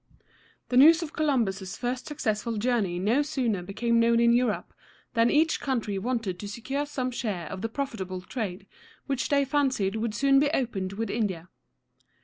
The news of Columbus's first successful journey no sooner became known in Europe than each country wanted to secure some share of the profitable trade which they fancied would soon be opened with India.